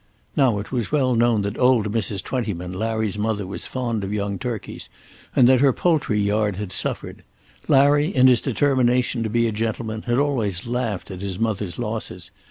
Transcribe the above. Now it was well known that old Mrs. Twentyman, Larry's mother, was fond of young turkeys, and that her poultry yard had suffered. Larry, in his determination to be a gentleman, had always laughed at his mother's losses.